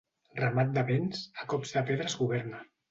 Ramat de bens, a cops de pedra es governa.